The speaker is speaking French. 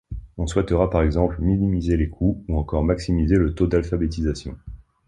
On souhaitera par exemple minimiser les coûts, ou encore maximiser le taux d'alphabétisation.